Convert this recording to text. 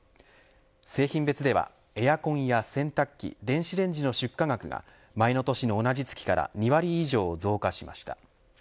製品別では、エアコンや洗濯機電子レンジの出荷額が前の年の同じ月から２割以上増加しました。